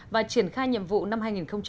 và triển khai nhiệm vụ năm hai nghìn một mươi tám